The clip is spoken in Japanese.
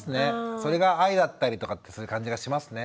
それが愛だったりとかってそういう感じがしますね。